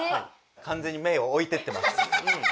完全にメイをおいてってます。